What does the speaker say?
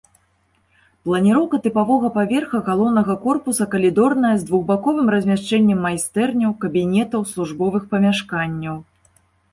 Планіроўка тыпавога паверха галоўнага корпуса калідорная з двухбаковым размяшчэннем майстэрняў, кабінетаў, службовых памяшканняў.